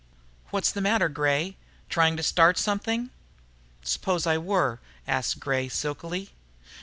"What's the matter, Gray? Trying to start something?" "Suppose I were?" asked Gray silkily.